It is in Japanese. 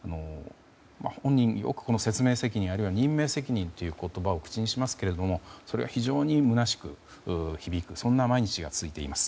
本人はよく説明責任任命責任という言葉を口にしますがそれが非常にむなしく響くそんな毎日が続いています。